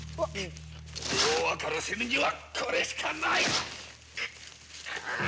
分からせるには、これしかない！